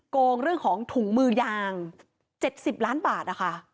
โกงเรื่องของถุงมือยาง๗๐ล้านบาทนะคะ